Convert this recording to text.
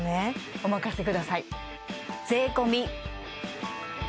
お任せください